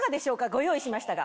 ご用意しましたが。